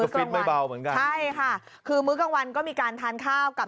ฟินไม่เบาเหมือนกันใช่ค่ะคือมื้อกลางวันก็มีการทานข้าวกับ